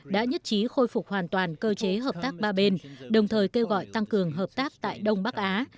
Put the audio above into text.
đã nhất trí khôi phục hoàn toàn cơ chế hợp tác ba bên đồng thời kêu gọi tăng cường hợp tác tại đông bắc á